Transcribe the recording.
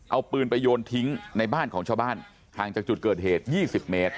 เอาปืนไปโยนทิ้งในบ้านของชาวบ้านห่างจากจุดเกิดเหตุ๒๐เมตร